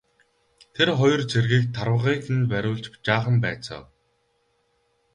Тэр хоёр цэргийг тарвагыг нь бариулж жаахан байцаав.